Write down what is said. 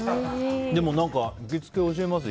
でも、行きつけ教えます！